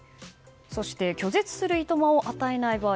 そして、拒絶するいとまを与えない場合。